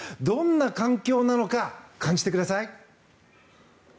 どんな環境なのか感じてください。